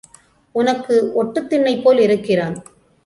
உனக்கு ஒட்டுத் திண்ணைபோல் இருக்கிறான்.